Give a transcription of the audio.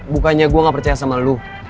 bukannya gue gak percaya sama lo